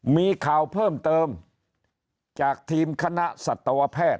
มีข่าวเพิ่มเติมจากทีมคณะสัตวแพทย์